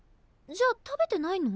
じゃあ食べてないの？